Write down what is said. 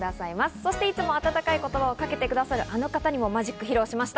そしていつも、温かい言葉をかけてくださるあの方にもマジックを披露しました。